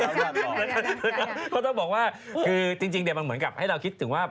เพราะฉะนั้นต้องบอกว่าคือจริงเดี๋ยวมันเหมือนกับให้เราคิดถึงว่า